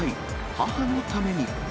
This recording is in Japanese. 母のために。